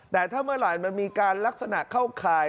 แต่ถ้าเมื่อไหร่มันมีการลักษณะเข้าข่าย